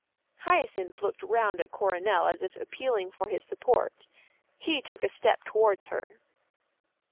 Hyacinth looked round at Coronel as if appealing for his support. He took a step towards her.